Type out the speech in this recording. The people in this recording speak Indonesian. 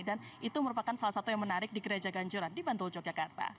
dan itu merupakan salah satu yang menarik di gereja ganjuran di bantul yogyakarta